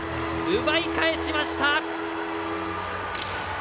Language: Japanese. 奪い返しました！